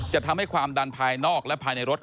จะทำให้ความดันภายนอกและภายในรถ